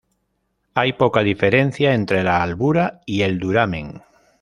Hay poca diferencia entre la albura y el duramen.